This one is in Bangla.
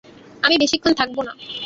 আমি বেশীক্ষণ থাকবো না।